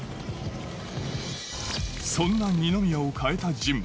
そんな二宮を変えた人物